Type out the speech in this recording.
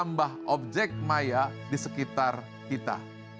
menambah objek maya di sekitar kita